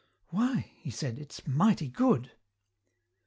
"Why!" he said, "it's mighty good."